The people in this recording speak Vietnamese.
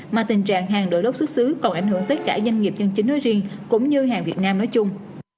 mà tình trạng hàng đổi lốc xuất xứ còn ảnh hưởng tất cả doanh nghiệp dân chính nơi riêng cũng như hàng việt nam nói chung